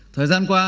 thời gian qua